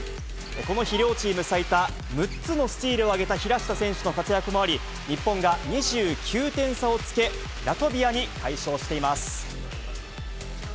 この日、両チーム最多６つのスチールを挙げた平下選手の活躍もあり、日本が２９点差をつけ、ラトビアに快勝しています。